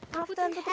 maaf tuan putri